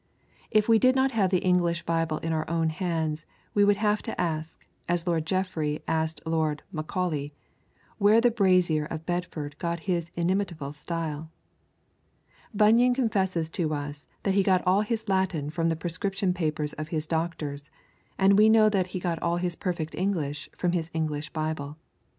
If we did not have the English Bible in our own hands we would have to ask, as Lord Jeffrey asked Lord Macaulay, where the brazier of Bedford got his inimitable style. Bunyan confesses to us that he got all his Latin from the prescription papers of his doctors, and we know that he got all his perfect English from his English Bible.